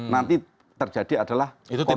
nanti terjadi adalah konflik korseletar